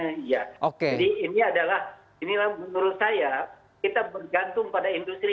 dan saya minta kepada pemerintah